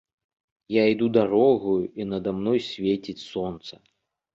Я іду дарогаю, і нада мной свеціць сонца.